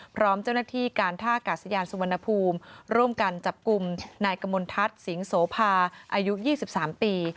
พร้อมเจ้าหน้าที่การท่ากาศยานสุวรรณภูมิร่วมกันจับกลุ่มนายกมลทัศน์สิงหภาอายุ๒๓ปี